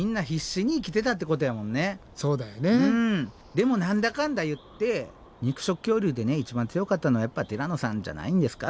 でも何だかんだ言って肉食恐竜で一番強かったのはやっぱティラノさんじゃないんですか？